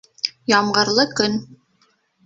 Ямғырлы көн